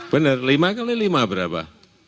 benar lima kali lima berapa